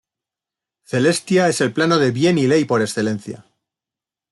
Celestia es el plano de bien y ley por excelencia.